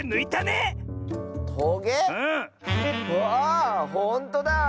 あほんとだ。